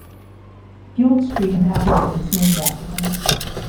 Guild street in Aberdeen is named after him.